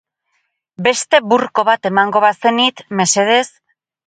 Beste burko bat emango bazenit, mesedez...